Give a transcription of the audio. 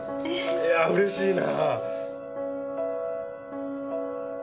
いやあ嬉しいな。